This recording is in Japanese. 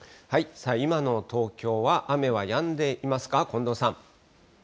今の東京は雨はやんでいますか、近藤さん。